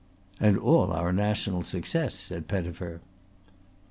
"And all our national success," said Pettifer.